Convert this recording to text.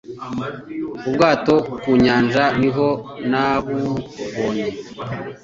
Ubwato ku nyanja niho na bu bonye